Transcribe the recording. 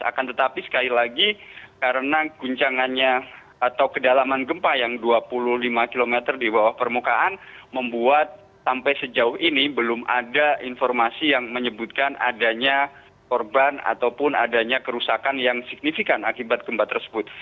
akan tetapi sekali lagi karena guncangannya atau kedalaman gempa yang dua puluh lima km di bawah permukaan membuat sampai sejauh ini belum ada informasi yang menyebutkan adanya korban ataupun adanya kerusakan yang signifikan akibat gempa tersebut